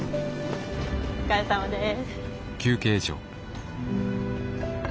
お疲れさまです。